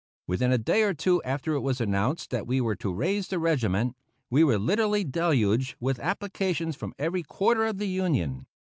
Within a day or two after it was announced that we were to raise the regiment, we were literally deluged with applications from every quarter of the Union.